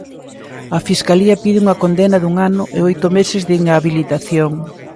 A Fiscalía pide unha condena dun ano e oito meses de inhabilitación.